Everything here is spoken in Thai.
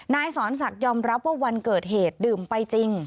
นายสอนศักดิ์ยอมรับว่าวันเกิดเหตุดื่มไปจริง